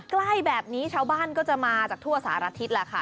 ใกล้แบบนี้ชาวบ้านก็จะมาจากทั่วสารทิศแหละค่ะ